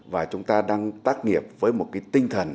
và chúng ta đang tác nghiệp với một cái tinh thần